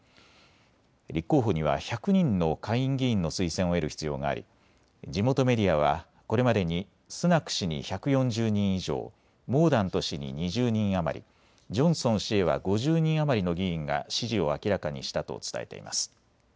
立候補には１００人の下院議員の推薦を得る必要があり地元メディアはこれまでにスナク氏に１４０人以上、モーダント氏に２０人余り、ジョンソン氏へは５０人余りの議員が支持を明らかにしたと伝えています。